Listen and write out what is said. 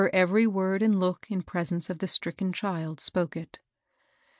283 every word and look in presence of the stricken child spoke it.